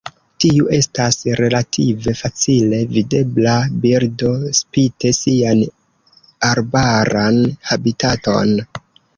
Tiu estas relative facile videbla birdo, spite sian arbaran habitaton.